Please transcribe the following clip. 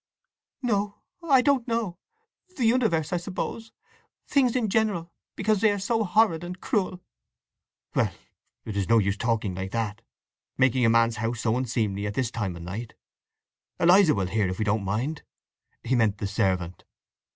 "No—I don't know! The universe, I suppose—things in general, because they are so horrid and cruel!" "Well, it is no use talking like that. Making a man's house so unseemly at this time o' night! Eliza will hear if we don't mind." (He meant the servant.)